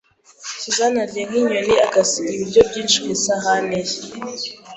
Susan arya nk'inyoni agasiga ibiryo byinshi ku isahani ye.